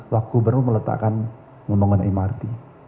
waktu gubernur meletakkan pembangunan mrt